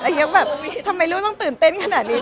อะไรอย่างนี้แบบทำไมลูกต้องตื่นเต้นขนาดนี้ด้วย